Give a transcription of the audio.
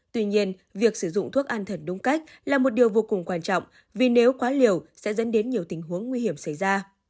tuy nhiên việc sử dụng thuốc an thần đúng cách là một điều vô cùng quan trọng vì nếu quá liều sẽ dẫn đến nhiều tình huống nguy hiểm xảy ra